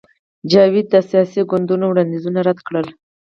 جاوید د سیاسي ګوندونو وړاندیزونه رد کړل